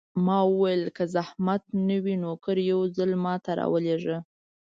ما وویل: که زحمت نه وي، نوکر یو ځل ما ته راولېږه.